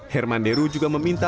herman deru juga meminta